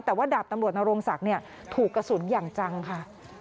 แต่ว่าดาบตำรวจนโรงศักดิ์ถูกกระสุนอย่างจังค่ะ